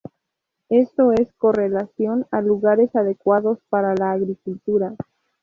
Esto en correlación a lugares adecuados para la agricultura.